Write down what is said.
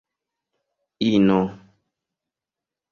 ino